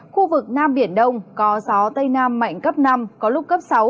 khu vực nam biển đông có gió tây nam mạnh cấp năm có lúc cấp sáu